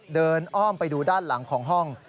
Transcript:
อ้อมไปดูด้านหลังของห้อง